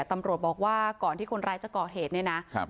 ตำรวจบอกว่าก่อนที่คนร้ายจะก่อเหตุเนี่ยนะครับ